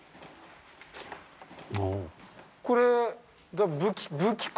これ。